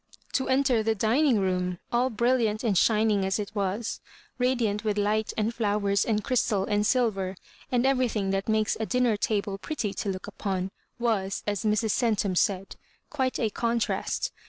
To enter the dining room, all brilliant and shining as it was, radiant with light and fiowers and crystal and silver, and everything that makes a dinner table pretty to look upon, was, as Mrs. Centum said, "quite a contriast."